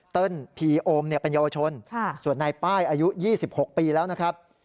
ผีโอมเป็นเยาวชนส่วนในป้ายอายุ๒๖ปีแล้วนะครับ